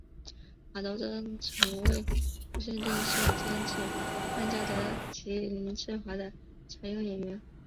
马德钟曾为无线电视监制潘嘉德及林志华的常用演员。